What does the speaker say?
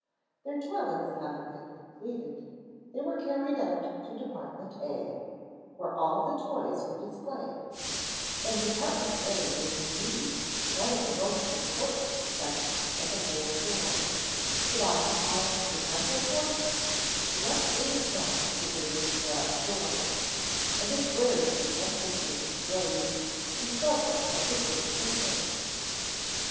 Their toilets having been completed, they were carried out to Dept. A, where all the toys were displayed. And Dept. A was indeed one of the most important sections of the whole store. It occupied the central portion directly in front of the big glass doors, and its wares were temptingly displayed in several of the great windows.